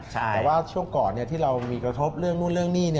แต่ว่าช่วงก่อนที่เรามีกระทบเรื่องนู่นเรื่องนี่